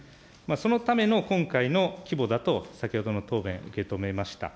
そのための今回の規模だと、先ほどの答弁、受け止めました。